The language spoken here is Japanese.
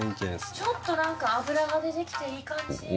ちょっと脂が出てきていい感じ。